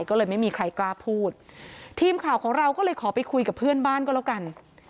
ก็เลยไม่มีใครกล้าพูดทีมข่าวของเราก็เลยขอไปคุยกับเพื่อนบ้านก็แล้วกัน